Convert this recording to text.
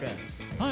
はい！